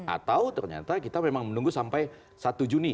atau ternyata kita memang menunggu sampai satu juni